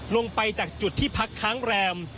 ลงไปจากจุดที่พักค้างแรม